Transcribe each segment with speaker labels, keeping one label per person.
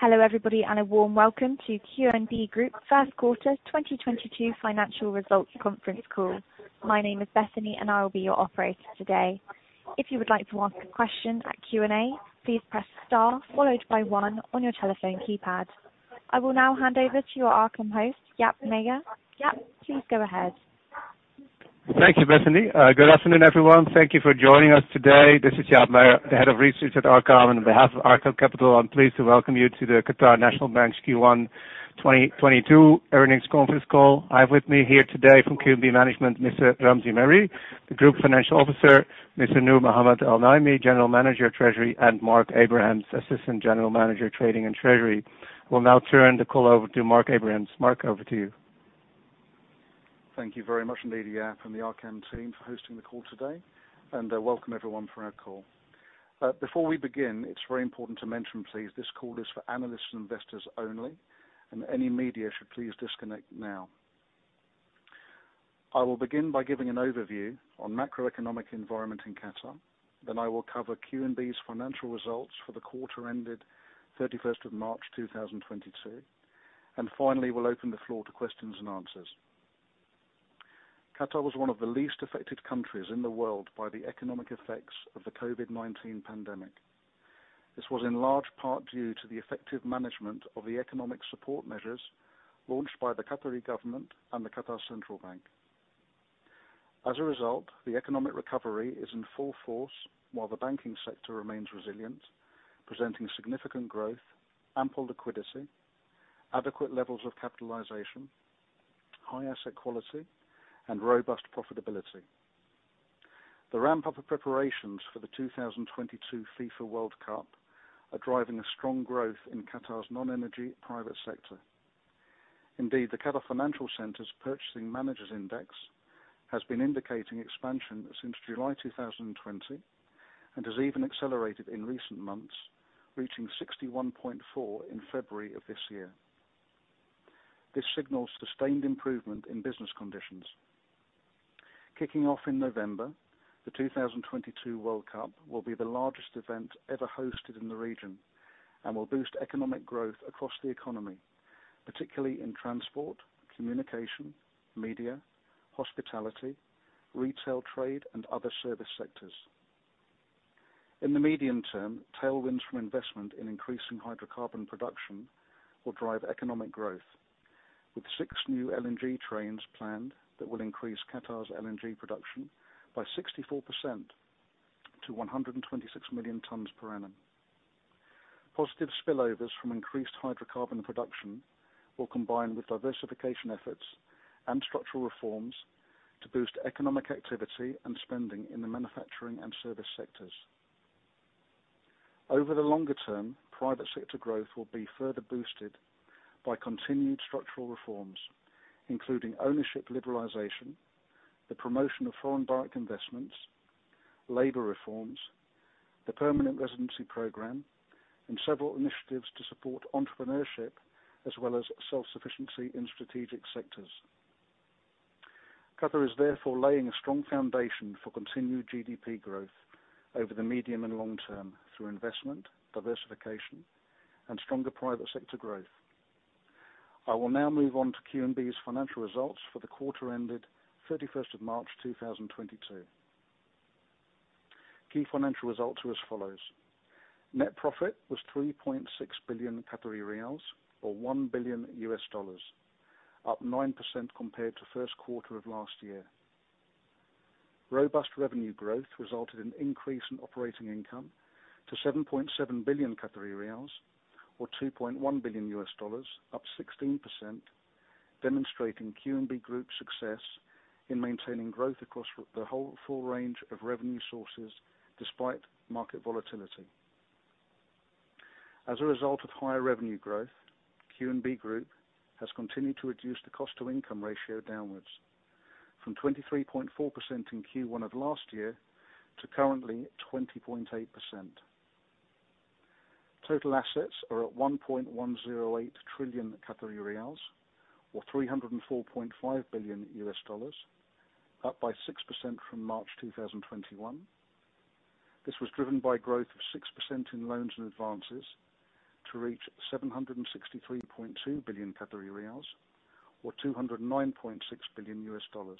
Speaker 1: Hello everybody, a warm welcome to QNB Group first quarter 2022 financial results conference call. My name is Bethany, I will be your operator today. If you would like to ask a question at Q&A, please press star followed by one on your telephone keypad. I will now hand over to your Arqaam host, Jaap Meijer. Jaap, please go ahead.
Speaker 2: Thank you, Bethany. Good afternoon, everyone. Thank you for joining us today. This is Jaap Meijer, the Head of Research at Arqaam. On behalf of Arqaam Capital, I am pleased to welcome you to the Qatar National Bank Q1 2022 earnings conference call. I have with me here today from QNB management, Mr. Ramzi Mari, the Group Financial Officer, Mr. Noor Mohammed Al-Naimi, General Manager of Treasury, and Mark Abrahams, Assistant General Manager, Trading and Treasury. We will now turn the call over to Mark Abrahams. Mark, over to you.
Speaker 3: Thank you very much indeed, Jaap from the Arqaam team for hosting the call today. Welcome everyone for our call. Before we begin, it is very important to mention, please, this call is for analysts and investors only, any media should please disconnect now. I will begin by giving an overview on macroeconomic environment in Qatar. I will cover QNB's financial results for the quarter ended 31st of March 2022, and finally, I will open the floor to questions and answers. Qatar was one of the least affected countries in the world by the economic effects of the COVID-19 pandemic. This was in large part due to the effective management of the economic support measures launched by the Qatari government and the Qatar Central Bank. As a result, the economic recovery is in full force while the banking sector remains resilient, presenting significant growth, ample liquidity, adequate levels of capitalization, high asset quality, and robust profitability. The ramp-up of preparations for the 2022 FIFA World Cup are driving a strong growth in Qatar's non-energy private sector. Indeed, the Qatar Financial Centre's Purchasing Managers' Index has been indicating expansion since July 2020 and has even accelerated in recent months, reaching 61.4 in February of this year. This signals sustained improvement in business conditions. Kicking off in November, the 2022 World Cup will be the largest event ever hosted in the region and will boost economic growth across the economy, particularly in transport, communication, media, hospitality, retail trade, and other service sectors. In the medium term, tailwinds from investment in increasing hydrocarbon production will drive economic growth, with six new LNG trains planned that will increase Qatar's LNG production by 64% to 126 million tons per annum. Positive spillovers from increased hydrocarbon production will combine with diversification efforts and structural reforms to boost economic activity and spending in the manufacturing and service sectors. Over the longer term, private sector growth will be further boosted by continued structural reforms, including ownership liberalization, the promotion of foreign direct investments, labor reforms, the permanent residency program, and several initiatives to support entrepreneurship, as well as self-sufficiency in strategic sectors. Qatar is therefore laying a strong foundation for continued GDP growth over the medium and long term through investment, diversification, and stronger private sector growth. I will now move on to QNB's financial results for the quarter ended 31st of March 2022. Key financial results are as follows. Net profit was 3.6 billion Qatari riyals, or $1 billion, up 9% compared to first quarter of last year. Robust revenue growth resulted in increase in operating income to 7.7 billion Qatari riyals, or $2.1 billion, up 16%, demonstrating QNB Group success in maintaining growth across the whole full range of revenue sources despite market volatility. As a result of higher revenue growth, QNB Group has continued to reduce the cost-to-income ratio downwards from 23.4% in Q1 of last year to currently 20.8%. Total assets are at 1.108 trillion Qatari riyals, or $304.5 billion, up by 6% from March 2021. This was driven by growth of 6% in loans and advances to reach 763.2 billion Qatari riyals, or $209.6 billion. The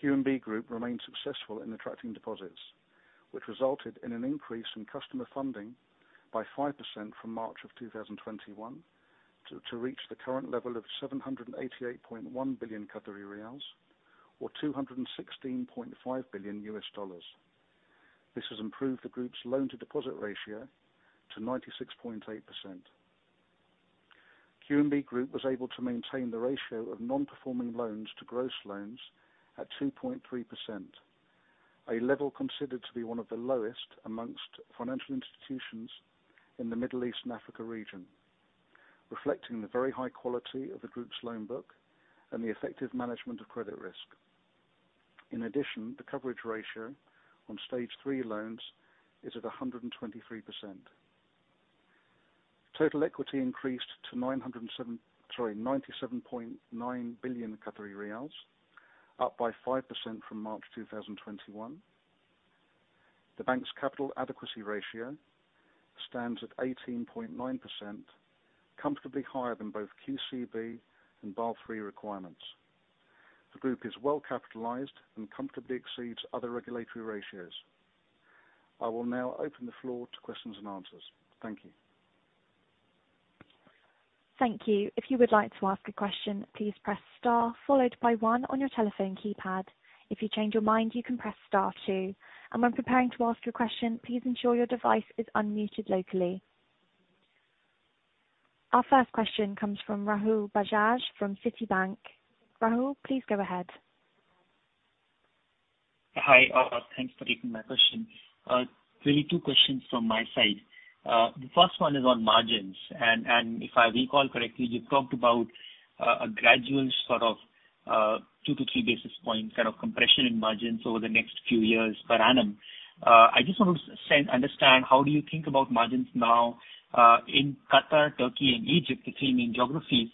Speaker 3: QNB Group remained successful in attracting deposits, which resulted in an increase in customer funding by 5% from March 2021 to reach the current level of 788.1 billion Qatari riyals, or $216.5 billion. This has improved the group's loan-to-deposit ratio to 96.8%. QNB Group was able to maintain the ratio of non-performing loans to gross loans at 2.3%, a level considered to be one of the lowest amongst financial institutions in the Middle East and Africa region, reflecting the very high quality of the group's loan book and the effective management of credit risk. In addition, the Coverage Ratio on Stage 3 loans is at 123%. Total equity increased to 97.9 billion Qatari riyals, up by 5% from March 2021. The bank's Capital Adequacy Ratio stands at 18.9%, comfortably higher than both QCB and Basel III requirements. The group is well capitalized and comfortably exceeds other regulatory ratios. I will now open the floor to questions and answers. Thank you.
Speaker 1: Thank you. If you would like to ask a question, please press star 1 on your telephone keypad. If you change your mind, you can press star 2. When preparing to ask your question, please ensure your device is unmuted locally. Our first question comes from Rahul Bajaj from Citibank. Rahul, please go ahead.
Speaker 4: Hi. Thanks for taking my question. Really two questions from my side. The first one is on margins. If I recall correctly, you talked about a gradual two to three basis points compression in margins over the next few years per annum. I just want to understand, how do you think about margins now, in Qatar, Turkey, and Egypt, the key main geographies,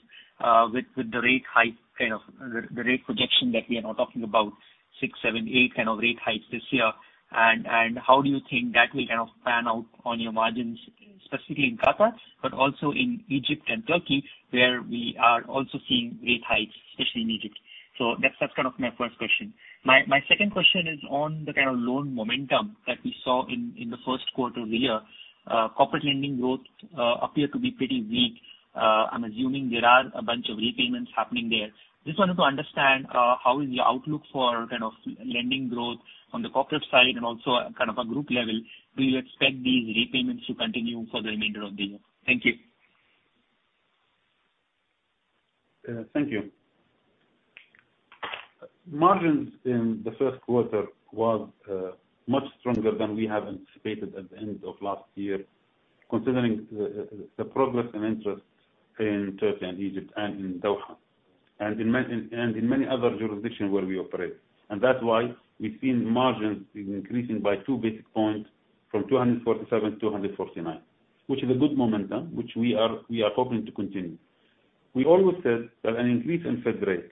Speaker 4: with the rate projection that we are now talking about six, seven, eight rate hikes this year? How do you think that will pan out on your margins, specifically in Qatar, but also in Egypt and Turkey, where we are also seeing rate hikes, especially in Egypt? That's my first question. My second question is on the loan momentum that we saw in the first quarter of the year. Corporate lending growth appeared to be pretty weak. I'm assuming there are a bunch of repayments happening there. Just wanted to understand, how is your outlook for lending growth on the corporate side and also a group level? Do you expect these repayments to continue for the remainder of the year? Thank you.
Speaker 5: Thank you. Margins in the first quarter was much stronger than we had anticipated at the end of last year, considering the progress and interest in Turkey and Egypt and in Doha, and in many other jurisdictions where we operate. That's why we've seen margins increasing by 2 basic points from 247 to 249. Which is a good momentum, which we are hoping to continue. We always said that an increase in Fed rate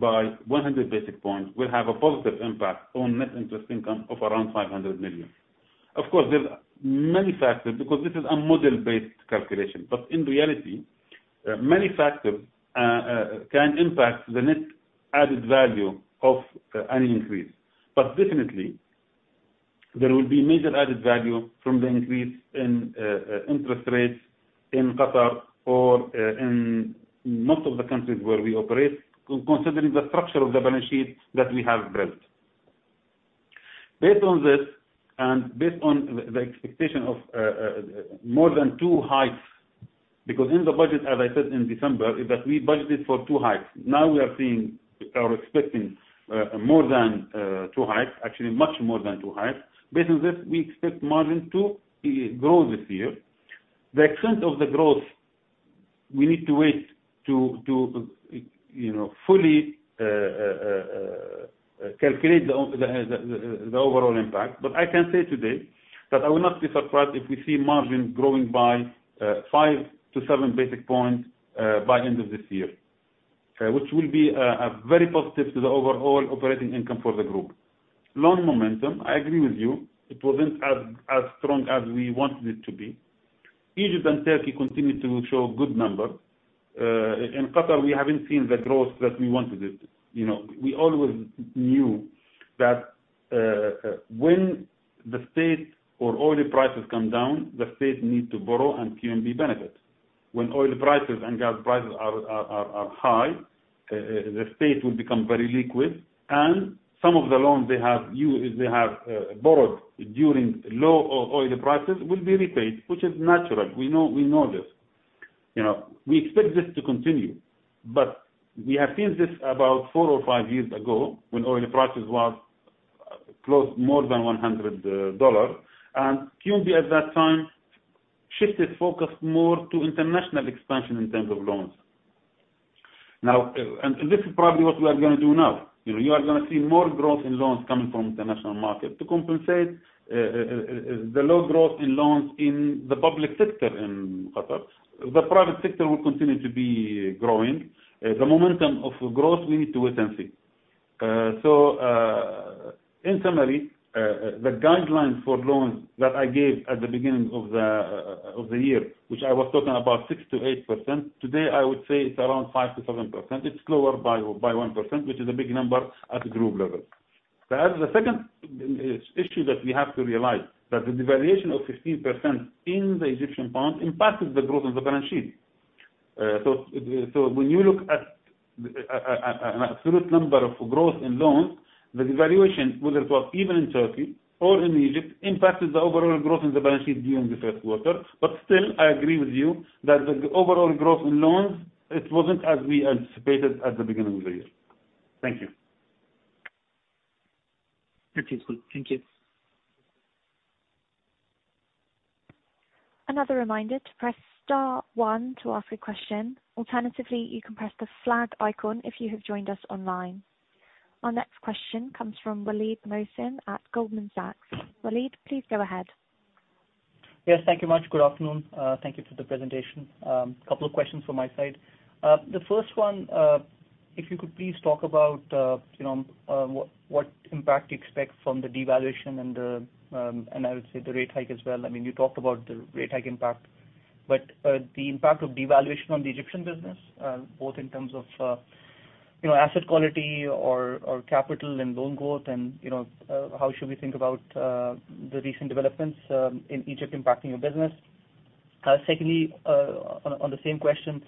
Speaker 5: by 100 basic points will have a positive impact on Net Interest Income of around 500 million. Of course, there's many factors because this is a model-based calculation. In reality, many factors can impact the net added value of any increase. Definitely, there will be major added value from the increase in interest rates in Qatar or in most of the countries where we operate, considering the structure of the balance sheet that we have built. Based on this, and based on the expectation of more than 2 hikes Because in the budget, as I said in December, is that we budgeted for 2 hikes. We are expecting more than 2 hikes, actually much more than 2 hikes. Based on this, we expect margin to grow this year. The extent of the growth, we need to wait to fully calculate the overall impact. I can say today that I will not be surprised if we see margin growing by 5 to 7 basic points, by end of this year which will be very positive to the overall operating income for the group. Loan momentum, I agree with you, it wasn't as strong as we wanted it to be. Egypt and Turkey continued to show good numbers. In Qatar, we haven't seen the growth that we wanted it. We always knew that when the state or oil prices come down, the state need to borrow, and QNB benefits. When oil prices and gas prices are high, the state will become very liquid, and some of the loans they have borrowed during low oil prices will be repaid, which is natural. We know this. We expect this to continue. We have seen this about 4 or 5 years ago when oil prices was close more than $100, and QNB at that time shifted focus more to international expansion in terms of loans. This is probably what we are going to do now. You are going to see more growth in loans coming from international market to compensate the low growth in loans in the public sector in Qatar. The private sector will continue to be growing. The momentum of growth, we need to wait and see. In summary, the guidelines for loans that I gave at the beginning of the year, which I was talking about 6%-8%, today, I would say it's around 5%-7%. It's lower by 1%, which is a big number at the group level. The second issue that we have to realize, that the devaluation of 15% in the Egyptian pound impacted the growth on the balance sheet. When you look at absolute number of growth in loans, the devaluation, whether it was even in Turkey or in Egypt, impacted the overall growth in the balance sheet during the first quarter. Still, I agree with you that the overall growth in loans, it wasn't as we anticipated at the beginning of the year. Thank you.
Speaker 4: Okay, cool. Thank you.
Speaker 1: Another reminder to press star one to ask a question. Alternatively, you can press the flag icon if you have joined us online. Our next question comes from Waleed Mohsin at Goldman Sachs. Waleed, please go ahead.
Speaker 6: Yes. Thank you much. Good afternoon. Thank you for the presentation. A couple of questions from my side. The first one, if you could please talk about what impact you expect from the devaluation and I would say the rate hike as well. You talked about the rate hike impact, but the impact of devaluation on the Egyptian business, both in terms of asset quality or capital and loan growth and how should we think about the recent developments in Egypt impacting your business? Secondly, on the same question,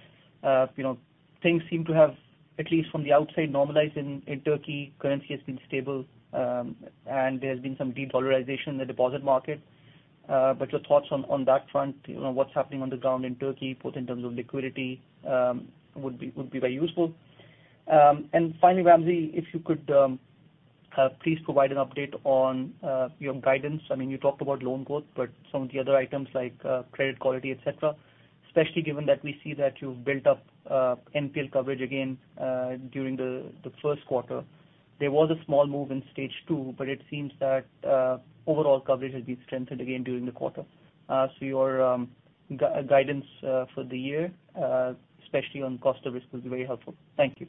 Speaker 6: things seem to have, at least from the outside, normalized in Turkey. Currency has been stable, and there's been some de-dollarization in the deposit market. Your thoughts on that front, what's happening on the ground in Turkey, both in terms of liquidity, would be very useful. Finally, Ramzi, if you could please provide an update on your guidance. You talked about loan growth, some of the other items like credit quality, et cetera, especially given that we see that you've built up NPL coverage again, during the first quarter. There was a small move in Stage 2, but it seems that overall Coverage Ratio has been strengthened again during the quarter. Your guidance for the year, especially on cost risk, will be very helpful. Thank you.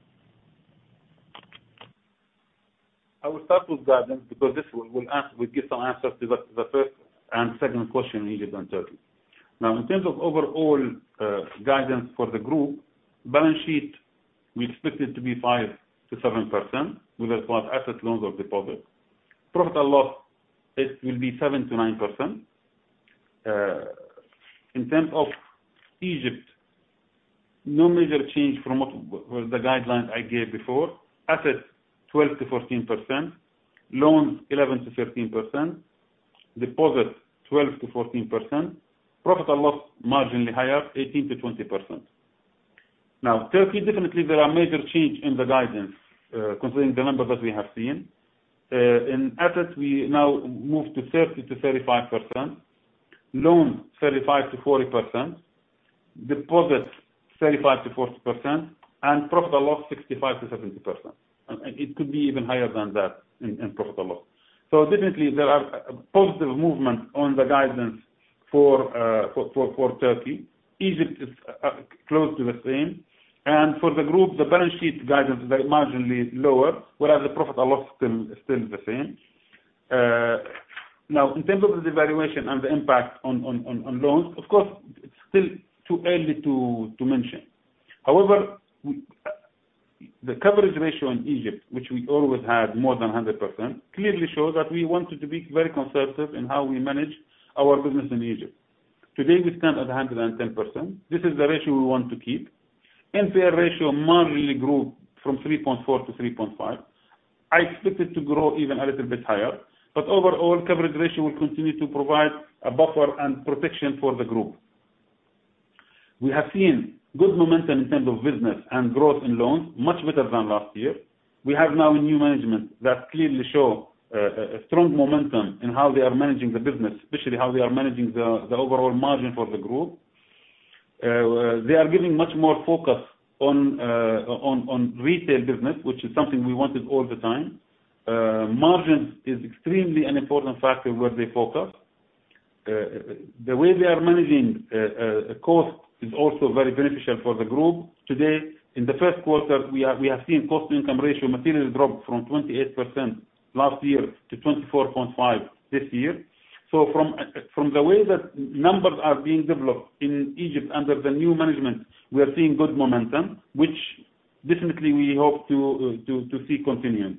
Speaker 5: I will start with guidance because this will give some answers to the first and second question related on Turkey. In terms of overall guidance for the group, balance sheet, we expect it to be 5%-7% whether it was assets, loans, or deposits. Profit or loss, it will be 7%-9%. In terms of Egypt, no major change from the guidelines I gave before. Assets 12%-14%, loans 11%-13%, deposits 12%-14%, profit or loss, marginally higher, 18%-20%. Turkey, definitely, there are major change in the guidance, considering the numbers that we have seen. In assets, we now move to 30%-35%, loans 35%-40%, deposits 35%-40%, and profit or loss 65%-70%. It could be even higher than that in profit or loss. Definitely there are positive movement on the guidance for Turkey. Egypt is close to the same. For the group, the balance sheet guidance is very marginally lower, whereas the profit or loss still the same. In terms of the devaluation and the impact on loans, of course, it's still too early to mention. However, the Coverage Ratio in Egypt, which we always had more than 100%, clearly shows that we wanted to be very conservative in how we manage our business in Egypt. Today, we stand at 110%. This is the ratio we want to keep. NPL ratio marginally grew from 3.4% to 3.5%. I expect it to grow even a little bit higher, overall, Coverage Ratio will continue to provide a buffer and protection for the group. We have seen good momentum in terms of business and growth in loans, much better than last year. We have now a new management that clearly show a strong momentum in how they are managing the business, especially how they are managing the overall margin for the group. They are giving much more focus on retail business, which is something we wanted all the time. Margins is extremely an important factor where they focus. The way they are managing cost is also very beneficial for the group. Today, in the first quarter, we have seen cost-to-income ratio materially drop from 28% last year to 24.5% this year. From the way that numbers are being developed in Egypt under the new management, we are seeing good momentum, which definitely we hope to see continue.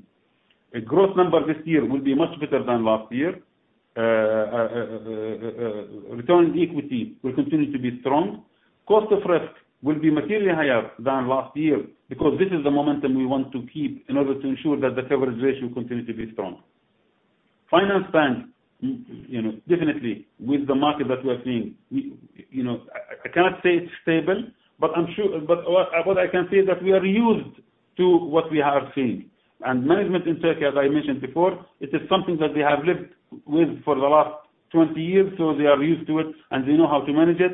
Speaker 5: The growth number this year will be much better than last year. Return on Equity will continue to be strong. cost of risk will be materially higher than last year because this is the momentum we want to keep in order to ensure that the Coverage Ratio continue to be strong. Finance bank, definitely with the market that we are seeing, I cannot say it's stable, but what I can say is that we are used to what we have seen. Management in Turkey, as I mentioned before, it is something that they have lived with for the last 20 years, so they are used to it and they know how to manage it.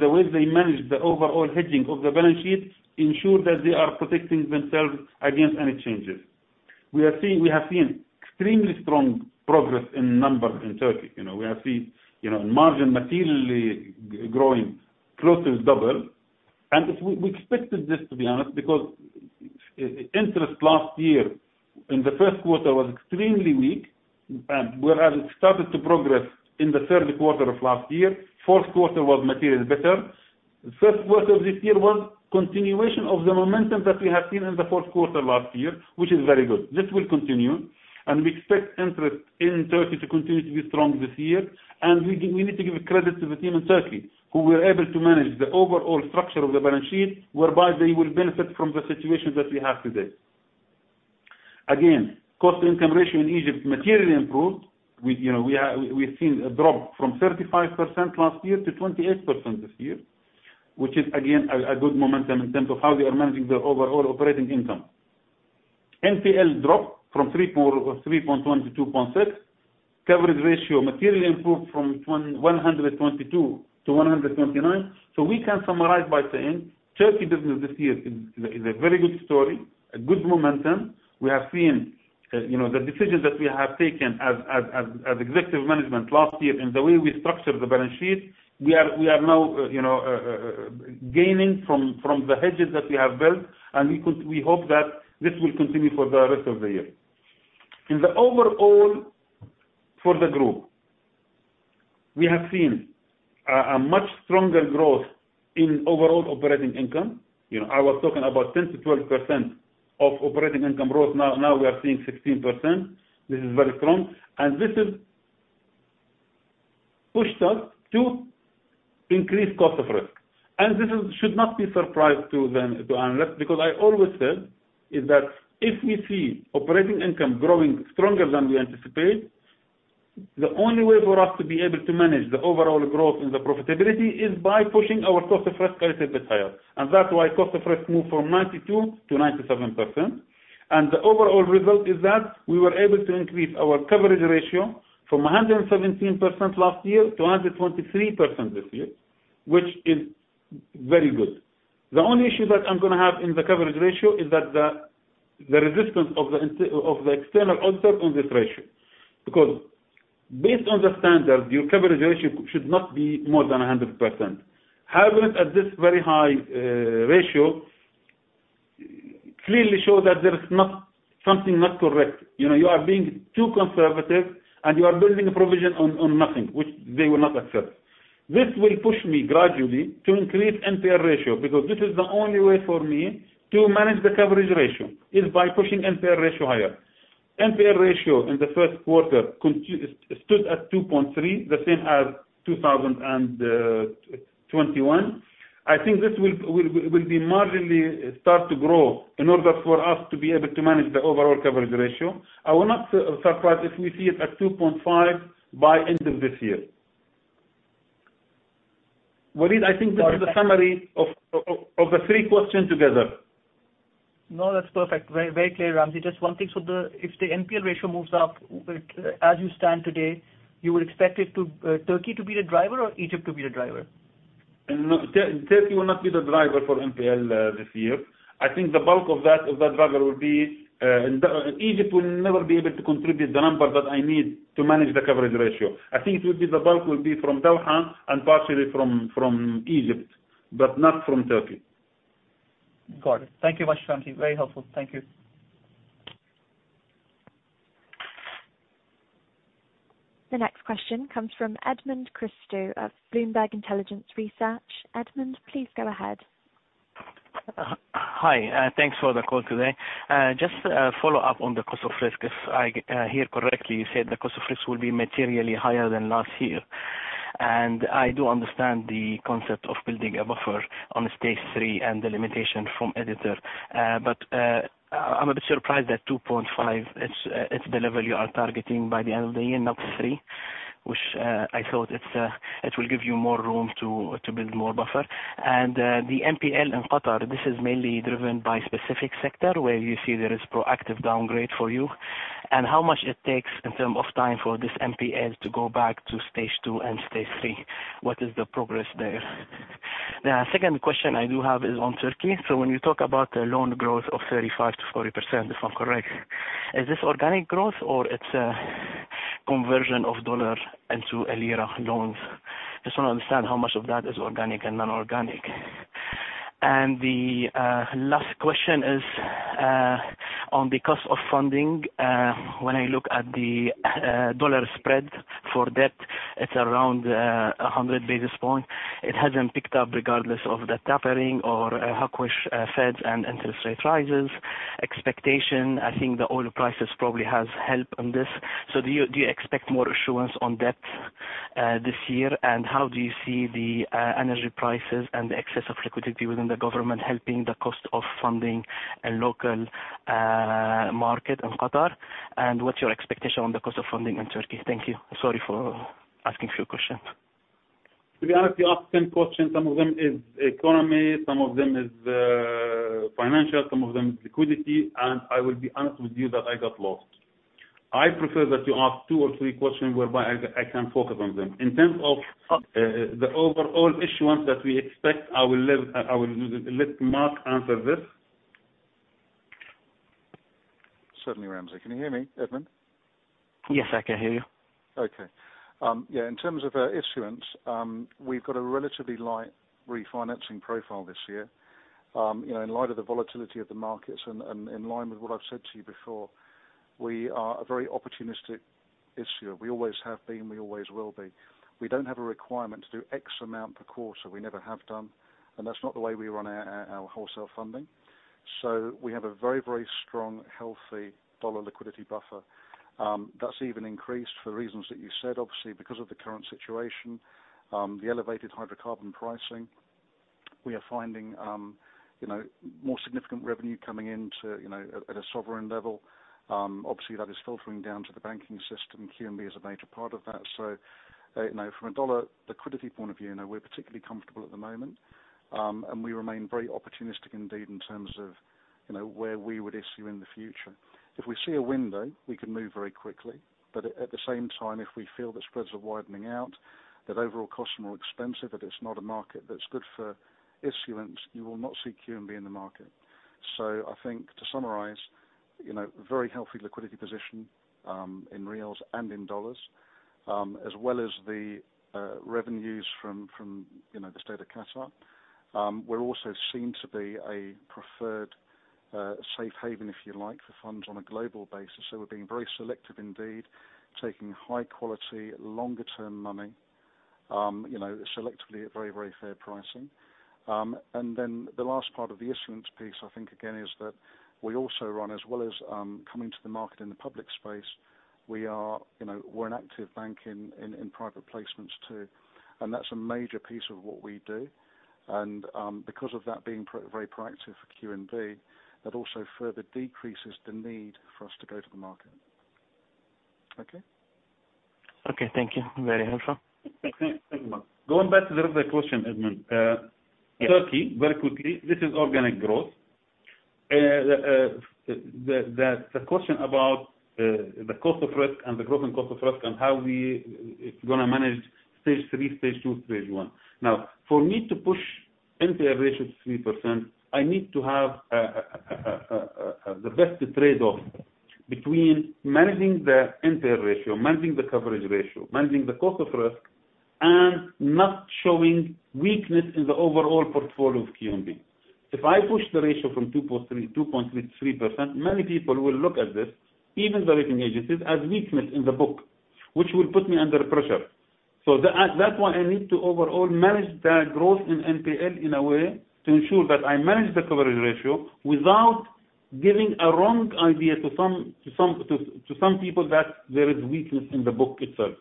Speaker 5: The way they manage the overall hedging of the balance sheet ensure that they are protecting themselves against any changes. We have seen extremely strong progress in numbers in Turkey. We have seen margin materially growing close to double. We expected this, to be honest, because interest last year in the first quarter was extremely weak. Whereas it started to progress in the third quarter of last year, fourth quarter was materially better. First quarter of this year was continuation of the momentum that we have seen in the fourth quarter last year, which is very good. This will continue, we expect interest in Turkey to continue to be strong this year. We need to give a credit to the team in Turkey who were able to manage the overall structure of the balance sheet, whereby they will benefit from the situation that we have today. Again, cost-to-income ratio in Egypt materially improved. We have seen a drop from 35% last year to 28% this year, which is again, a good momentum in terms of how they are managing their overall operating income. NPL dropped from 3.1 to 2.6. Coverage Ratio materially improved from 122% to 129%. We can summarize by saying Turkey business this year is a very good story, a good momentum. We have seen the decisions that we have taken as executive management last year and the way we structured the balance sheet. We are now gaining from the hedges that we have built, we hope that this will continue for the rest of the year. In the overall for the group, we have seen a much stronger growth in overall operating income. I was talking about 10%-12% of operating income growth, now we are seeing 16%. This is very strong, this has pushed us to increase cost of risk. This should not be surprise to analyst, because I always said is that if we see operating income growing stronger than we anticipate, the only way for us to be able to manage the overall growth in the profitability is by pushing our cost of risk a little bit higher. That's why cost of risk moved from 92% to 97%. The overall result is that we were able to increase our Coverage Ratio from 117% last year to 123% this year, which is very good. The only issue that I'm going to have in the Coverage Ratio is that the resistance of the external onset on this ratio. Because based on the standard, your Coverage Ratio should not be more than 100%. Having it at this very high ratio clearly shows that there is something not correct. You are being too conservative, you are building a provision on nothing, which they will not accept. This will push me gradually to increase NPL ratio, because this is the only way for me to manage the coverage ratio, is by pushing NPL ratio higher. NPL ratio in the first quarter stood at 2.3, the same as 2021. I think this will be marginally start to grow in order for us to be able to manage the overall coverage ratio. I will not be surprised if we see it at 2.5 by end of this year. Waleed, I think this is a summary of the three questions together.
Speaker 6: That's perfect. Very clear, Ramzi. Just one thing. If the NPL ratio moves up, as you stand today, you would expect Turkey to be the driver or Egypt to be the driver?
Speaker 5: Turkey will not be the driver for NPL this year. Egypt will never be able to contribute the number that I need to manage the coverage ratio. I think the bulk will be from Doha and partially from Egypt, but not from Turkey.
Speaker 6: Got it. Thank you much, Ramzi. Very helpful. Thank you.
Speaker 1: The next question comes from Edmond Christou of Bloomberg Intelligence. Edmond, please go ahead.
Speaker 7: Hi. Thanks for the call today. Just a follow-up on the cost of risk. If I hear correctly, you said the cost of risk will be materially higher than last year. I do understand the concept of building a buffer on Stage 3 and the limitation from regulator. I am a bit surprised that 2.5 is the level you are targeting by the end of the year, not three, which I thought it will give you more room to build more buffer. The NPL in Qatar, this is mainly driven by specific sector where you see there is proactive downgrade for you. And how much it takes in terms of time for this NPL to go back to Stage 2 and Stage 3? What is the progress there? The second question I do have is on Turkey. When you talk about the loan growth of 35%-40%, if I'm correct, is this organic growth or it's a conversion of US dollar into Turkish lira loans? I just want to understand how much of that is organic and non-organic. The last question is on the cost of funding. When I look at the US dollar spread for debt, it's around 100 basis points. It hasn't picked up regardless of the tapering or hawkish Feds and interest rate rises. Expectation, I think the oil prices probably has helped on this. Do you expect more issuance on debt this year? How do you see the energy prices and the excess of liquidity within the government helping the cost of funding a local market in Qatar? What's your expectation on the cost of funding in Turkey? Thank you. Sorry for asking a few questions.
Speaker 5: To be honest, you asked 10 questions. Some of them is economy, some of them is financial, some of them is liquidity. I will be honest with you that I got lost. I prefer that you ask two or three questions whereby I can focus on them. In terms of the overall issuance that we expect, I will let Mark answer this.
Speaker 3: Certainly, Ramzi. Can you hear me, Edmond?
Speaker 7: Yes, I can hear you.
Speaker 3: Okay. Yeah, in terms of issuance, we've got a relatively light refinancing profile this year. In light of the volatility of the markets and in line with what I've said to you before, we are a very opportunistic issuer. We always have been, we always will be. We don't have a requirement to do X amount per quarter. We never have done, and that's not the way we run our wholesale funding. We have a very strong, healthy dollar liquidity buffer. That's even increased for reasons that you said, obviously, because of the current situation, the elevated hydrocarbon pricing. We are finding more significant revenue coming in at a sovereign level. Obviously, that is filtering down to the banking system. QNB is a major part of that. From a dollar liquidity point of view, we're particularly comfortable at the moment. We remain very opportunistic indeed in terms of You know where we would issue in the future. If we see a window, we can move very quickly. At the same time, if we feel the spreads are widening out, that overall costs are more expensive, that it's not a market that's good for issuance, you will not see QNB in the market. I think to summarize, very healthy liquidity position, in riyals and in dollars, as well as the revenues from the State of Qatar. We're also seen to be a preferred safe haven, if you like, for funds on a global basis. We're being very selective indeed, taking high quality, longer term money, selectively at very, very fair pricing. The last part of the issuance piece, I think again, is that we also run as well as coming to the market in the public space. We are an active bank in private placements too, and that's a major piece of what we do. Because of that being very proactive for QNB, that also further decreases the need for us to go to the market. Okay?
Speaker 7: Okay. Thank you. Very helpful.
Speaker 5: Thank you. Going back to the rest of the question, Edmond.
Speaker 7: Yes.
Speaker 5: Turkey, very quickly, this is organic growth. The question about the cost of risk and the growth in cost of risk and how we going to manage Stage 3, Stage 2, Stage 1. Now, for me to push NPL ratio to 3%, I need to have the best trade-off between managing the NPL ratio, managing the coverage ratio, managing the cost of risk, and not showing weakness in the overall portfolio of QNB. If I push the ratio from 2.3% to 3%, many people will look at this, even the rating agencies, as weakness in the book, which will put me under pressure. That's why I need to overall manage the growth in NPL in a way to ensure that I manage the coverage ratio without giving a wrong idea to some people that there is weakness in the book itself.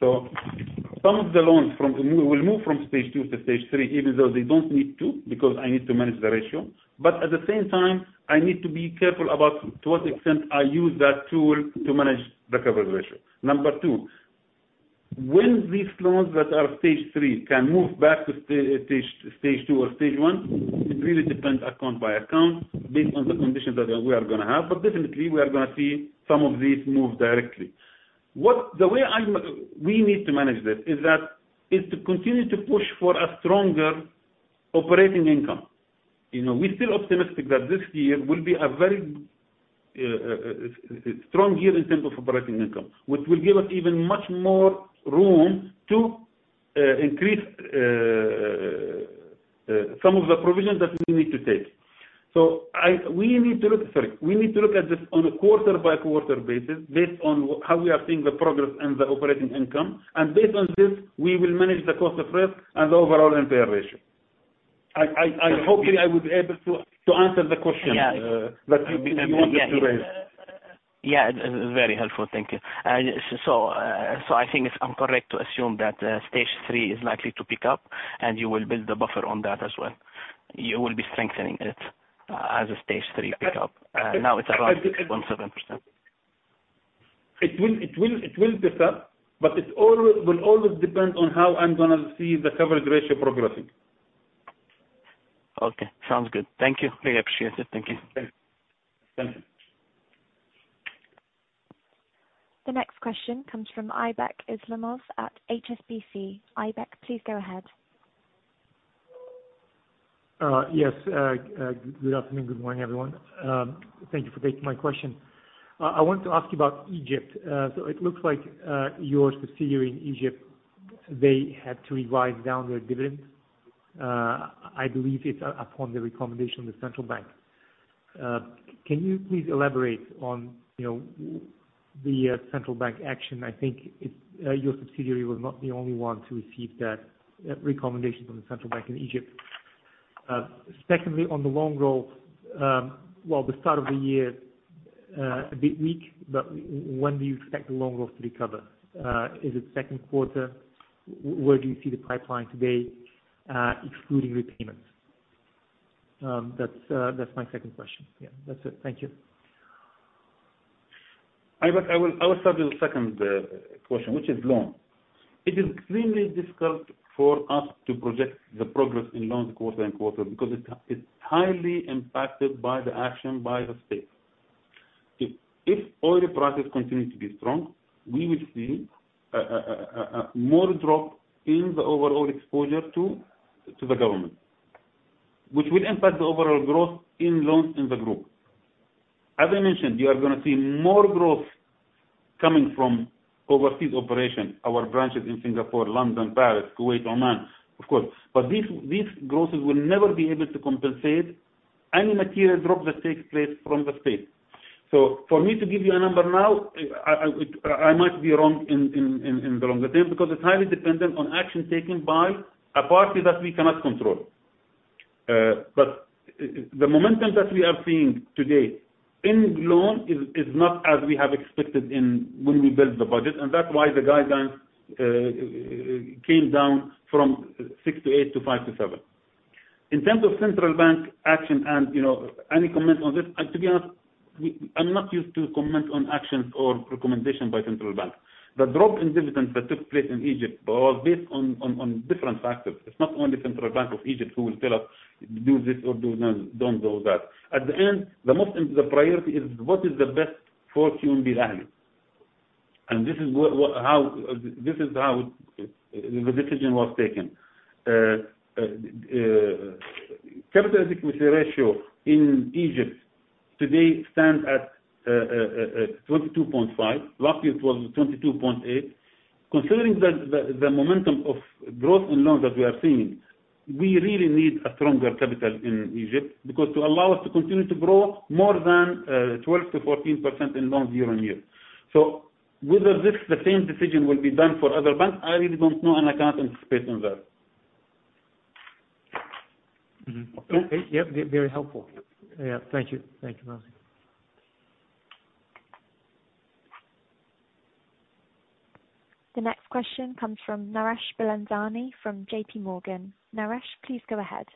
Speaker 5: Some of the loans will move from Stage 2 to Stage 3, even though they don't need to, because I need to manage the ratio. At the same time, I need to be careful about to what extent I use that tool to manage the Coverage Ratio. Number 2, when these loans that are Stage 3 can move back to Stage 2 or Stage 1, it really depends account by account based on the conditions that we are going to have. Definitely we are going to see some of these move directly. The way we need to manage this is to continue to push for a stronger operating income. We're still optimistic that this year will be a very strong year in terms of operating income, which will give us even much more room to increase some of the provisions that we need to take. We need to look at this on a quarter by quarter basis, based on how we are seeing the progress and the operating income. Based on this, we will manage the cost of risk and the overall NPL ratio. Hopefully, I was able to answer the question-
Speaker 7: Yeah
Speaker 5: that you wanted to raise.
Speaker 7: Yeah. Very helpful. Thank you. I think it's correct to assume that Stage 3 is likely to pick up and you will build the buffer on that as well. You will be strengthening it as a Stage 3 pick up. Now it's around 1.7%.
Speaker 5: It will pick up, but it will always depend on how I'm going to see the Coverage Ratio progressing.
Speaker 7: Okay. Sounds good. Thank you. I appreciate it. Thank you.
Speaker 5: Thank you.
Speaker 1: The next question comes from Aybek Islamov at HSBC. Aybek, please go ahead.
Speaker 8: Yes. Good afternoon. Good morning, everyone. Thank you for taking my question. I want to ask you about Egypt. It looks like your subsidiary in Egypt, they had to revise down their dividends. I believe it's upon the recommendation of the Central Bank. Can you please elaborate on the Central Bank action? I think your subsidiary was not the only one to receive that recommendation from the Central Bank of Egypt. Secondly, on the loan growth. Well, the start of the year, a bit weak, but when do you expect the loan growth to recover? Is it second quarter? Where do you see the pipeline today, excluding repayments? That's my second question. That's it. Thank you.
Speaker 5: Aybek, I will start with the second question, which is loans. It is extremely difficult for us to project the progress in loans quarter and quarter because it's highly impacted by the action by the state. If oil prices continue to be strong, we will see more drop in the overall exposure to the government, which will impact the overall growth in loans in the group. As I mentioned, you are going to see more growth coming from overseas operations, our branches in Singapore, London, Paris, Kuwait, Oman, of course. These growths will never be able to compensate any material drop that takes place from the state. For me to give you a number now, I might be wrong in the longer term because it's highly dependent on action taken by a party that we cannot control. The momentum that we are seeing today in loans is not as we have expected when we built the budget, that's why the guidance came down from six to eight to five to seven. In terms of Central Bank action and any comment on this, to be honest I'm not used to comment on actions or recommendations by central banks. The drop in dividends that took place in Egypt was based on different factors. It's not only Central Bank of Egypt who will tell us, do this or don't do that. At the end, the priority is what is the best for QNB Group. This is how the decision was taken. Capital Adequacy Ratio in Egypt today stands at 22.5%. Last year, it was 22.8%. Considering the momentum of growth in loans that we are seeing, we really need a stronger capital in Egypt, because to allow us to continue to grow more than 12%-14% in loans year-on-year. Whether the same decision will be done for other banks, I really don't know, and I can't anticipate on that.
Speaker 8: Mm-hmm. Okay. Yep. Very helpful. Thank you. Thank you, Ramzi.
Speaker 1: The next question comes from Naresh Bilandani from JP Morgan. Naresh, please go ahead.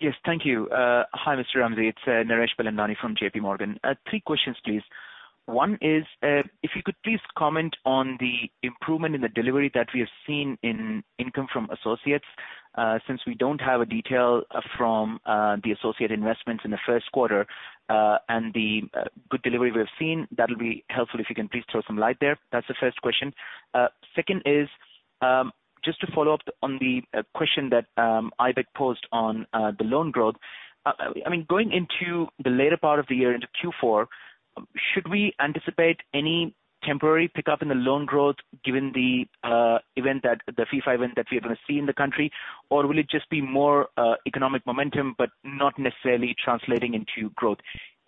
Speaker 9: Yes, thank you. Hi, Mr. Ramzi. It's Naresh Bilandani from JP Morgan. three questions, please. One is, if you could please comment on the improvement in the delivery that we have seen in income from associates, since we don't have a detail from the associate investments in the first quarter, and the good delivery we have seen. That'll be helpful if you can please throw some light there. That's the first question. Second is, just to follow up on the question that Aybek posed on the loan growth. Going into the later part of the year, into Q4, should we anticipate any temporary pickup in the loan growth given the FIFA event that we are going to see in the country? Will it just be more economic momentum, but not necessarily translating into growth?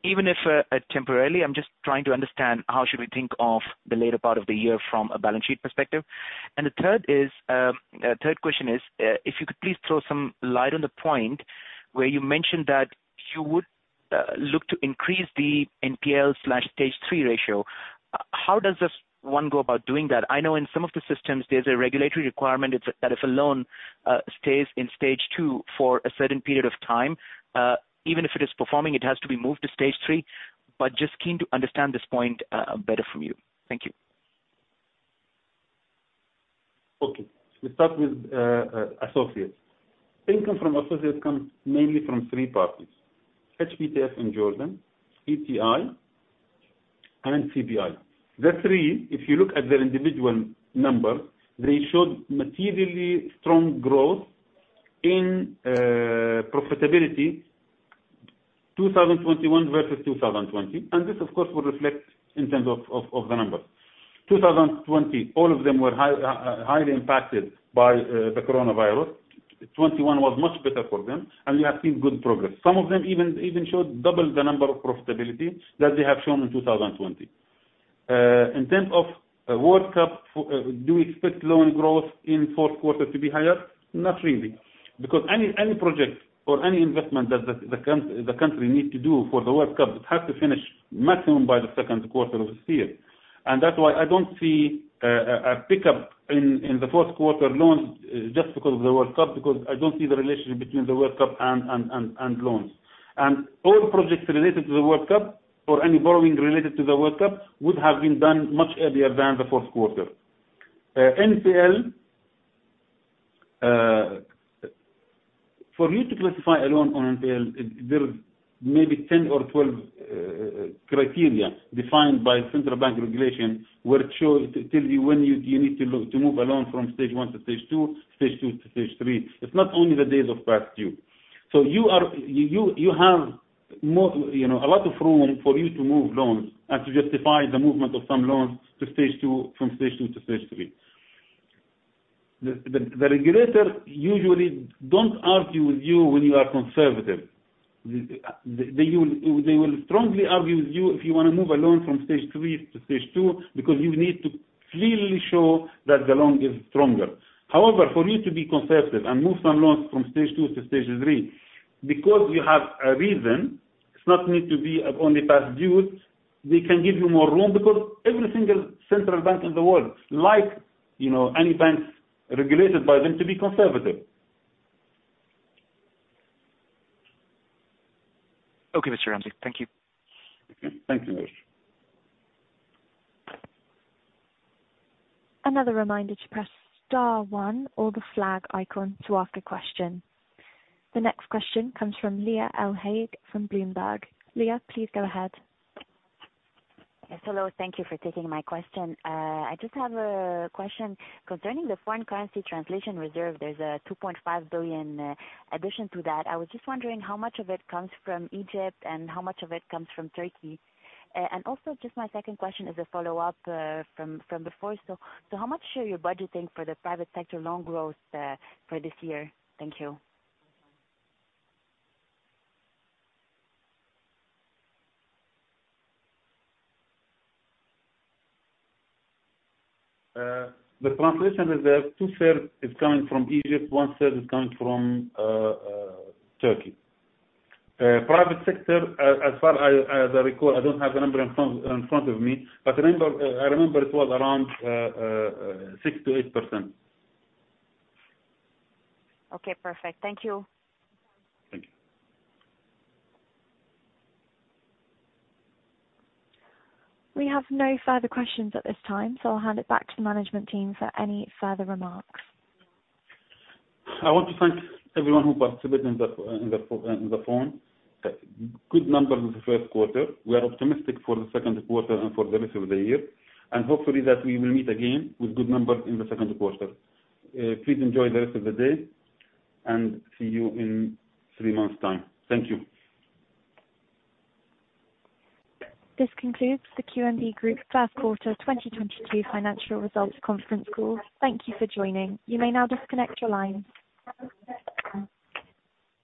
Speaker 9: Even if temporarily, I'm just trying to understand how should we think of the later part of the year from a balance sheet perspective. The third question is, if you could please throw some light on the point where you mentioned that you would look to increase the NPL/Stage 3 ratio. How does one go about doing that? I know in some of the systems, there's a regulatory requirement that if a loan stays in Stage 2 for a certain period of time, even if it is performing, it has to be moved to Stage 3, but just keen to understand this point better from you. Thank you.
Speaker 5: Okay. We start with associates. Income from associates comes mainly from three parties. HBTS in Jordan, PTI, and CBI. The three, if you look at their individual numbers, they showed materially strong growth in profitability 2021 versus 2020. This, of course, will reflect in terms of the numbers. 2020, all of them were highly impacted by the coronavirus. 2021 was much better for them, and we have seen good progress. Some of them even showed double the number of profitability that they have shown in 2020. In terms of World Cup, do we expect loan growth in fourth quarter to be higher? Not really. Because any project or any investment that the country needs to do for the World Cup, it has to finish maximum by the second quarter of this year. That's why I don't see a pickup in the fourth quarter loans just because of the World Cup, because I don't see the relationship between the World Cup and loans. All projects related to the World Cup or any borrowing related to the World Cup would have been done much earlier than the fourth quarter. NPL, for you to classify a loan on NPL, there's maybe 10 or 12 criteria defined by central bank regulation, which tells you when you need to move a loan from stage 1 to stage 2, stage 2 to stage 3. It's not only the days of past due. You have a lot of room for you to move loans and to justify the movement of some loans to stage 2, from stage 2 to stage 3. The regulators usually don't argue with you when you are conservative. They will strongly argue with you if you want to move a loan from stage 3 to stage 2 because you need to clearly show that the loan is stronger. However, for you to be conservative and move some loans from stage 2 to stage 3, because you have a reason, it's not need to be of only past dues, they can give you more room because every single central bank in the world like any banks regulated by them to be conservative.
Speaker 9: Okay, Mr. Ramzi. Thank you.
Speaker 5: Okay. Thanks, Naresh.
Speaker 1: Another reminder to press star one or the flag icon to ask a question. The next question comes from Leah Al Haig from Bloomberg. Leah, please go ahead.
Speaker 10: Yes, hello. Thank you for taking my question. I just have a question concerning the Foreign Currency Translation Reserve. There's a 2.5 billion addition to that. I was just wondering how much of it comes from Egypt and how much of it comes from Turkey. Also, just my second question is a follow-up from before. How much are you budgeting for the private sector loan growth for this year? Thank you.
Speaker 5: The Translation Reserve, two-third is coming from Egypt, one-third is coming from Turkey. Private sector, as far as I recall, I don't have the number in front of me, but I remember it was around 6%-8%.
Speaker 10: Okay, perfect. Thank you.
Speaker 5: Thank you.
Speaker 1: We have no further questions at this time, so I'll hand it back to the management team for any further remarks.
Speaker 5: I want to thank everyone who participated in the phone. Good numbers in the first quarter. We are optimistic for the second quarter and for the rest of the year. Hopefully that we will meet again with good numbers in the second quarter. Please enjoy the rest of the day, and see you in three months time. Thank you.
Speaker 1: This concludes the QNB Group First Quarter 2022 Financial Results Conference Call. Thank you for joining. You may now disconnect your lines.